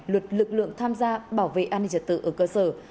luật lực lượng tham gia bảo vệ an ninh trật tự ở cơ sở